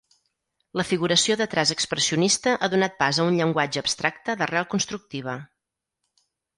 La figuració de traç expressionista ha donat pas a un llenguatge abstracte d'arrel constructiva.